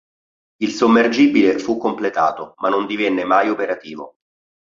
Il sommergibile fu completato, ma non divenne mai operativo.